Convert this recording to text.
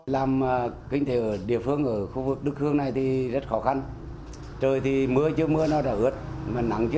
làm kinh tế ở địa phương ở khu vực đức hương này thì rất khó khăn trời thì mưa chứ mưa nó đã ướt mà nắng chứ là